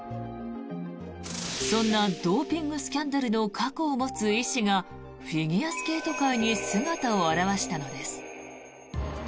そんなドーピングスキャンダルの過去を持つ医師がフィギュアスケート界に姿を現したのです。